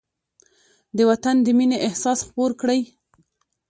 د وطن د مینې احساس خپور کړئ.